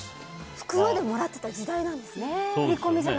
袋でもらっていた時代なんですね。